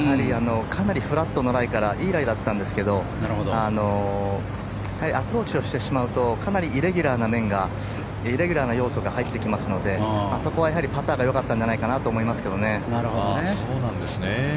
かなりフラットのライからいいライだったんですけどアプローチをしてしまうとかなりイレギュラーな要素が入ってきますのであそこはパターが良かったんじゃないかと思いますけどね。